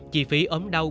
chỉ phí ấm đau